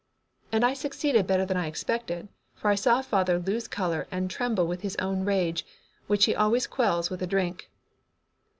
And I succeeded better than I expected, for I saw father lose color and tremble with his own rage, which he always quells with drink.